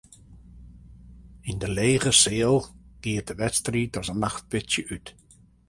Yn de lege seal gie de wedstriid as in nachtpitsje út.